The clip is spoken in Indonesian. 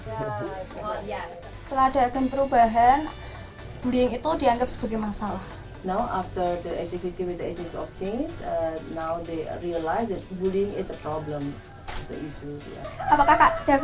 setelah ada perubahan bullying itu dianggap sebagai masalah